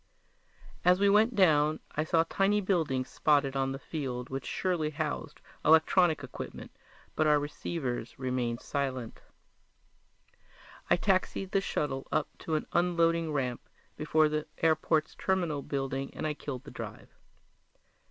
As we went down I saw tiny buildings spotted on the field which surely housed electronic equipment, but our receivers remained silent. I taxied the shuttle up to an unloading ramp before the airport's terminal building and I killed the drive.